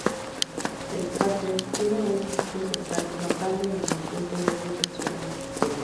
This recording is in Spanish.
El cráter tiene un pico central notable en el punto medio del suelo interior.